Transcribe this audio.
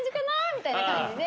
みたいな感じで。